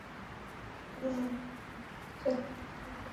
ইমান ভারতের চেন্নাইয়ে জন্মগ্রহণ করেন।